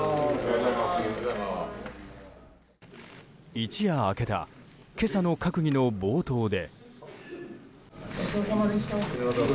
一夜明けた今朝の閣議の冒頭で。